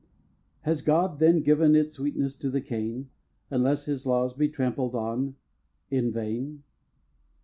Has God then given its sweetness to the cane, Unless His laws be trampled on—in vain?